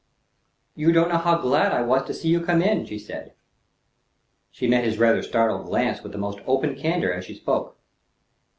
"You don't know how glad I was to see you come in," she said. She met his rather startled glance with the most open candor as she spoke.